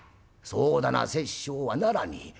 「そだな殺生はならねえ」。